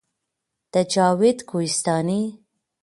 د جاوید کوهستاني